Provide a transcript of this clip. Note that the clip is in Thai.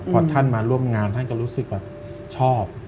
พอท่านมาร่วมงานท่านก็รู้สึกแบบชอบ